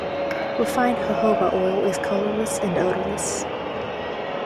Refined jojoba oil is colorless and odorless.